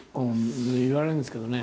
言われるんですけどね。